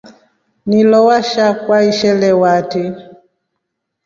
Nilo washa kwa ishelewa atri.